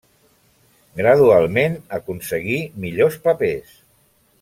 Gradualment, aconseguí millors papers.